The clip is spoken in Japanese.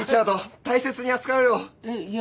大切に扱うよ。